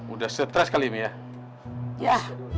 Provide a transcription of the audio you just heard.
udah setres kali ya ya